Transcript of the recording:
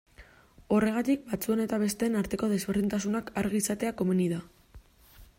Horregatik, batzuen eta besteen arteko desberdintasunak argi izatea komeni da.